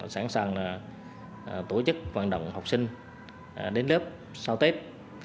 sẵn sàng tổ chức vận động học sinh đến lớp sau tết